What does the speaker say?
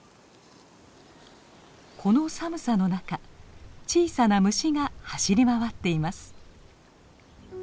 この寒さの中小さな虫が走り回っています。